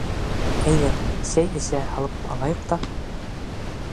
Әйҙә, сәй эсә һалып алайыҡ та.